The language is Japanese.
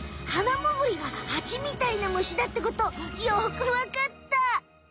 ハナムグリがハチみたいなむしだってことよくわかった！